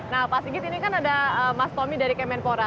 nah pak sigit ini kan ada mas tommy dari kemenpora